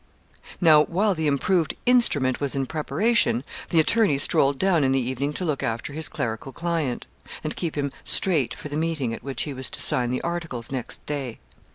Now while the improved 'instrument' was in preparation, the attorney strolled down in the evening to look after his clerical client, and keep him 'straight' for the meeting at which he was to sign the articles next day.